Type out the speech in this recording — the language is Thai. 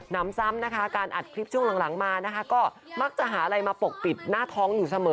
นำซ้ำนะคะการอัดคลิปช่วงหลังมานะคะก็มักจะหาอะไรมาปกปิดหน้าท้องอยู่เสมอ